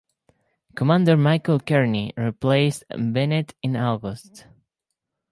Commander Michael Kearny replaced Bennett in August.